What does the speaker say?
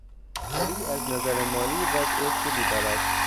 پری از نظر مالی وضع خوبی دارد.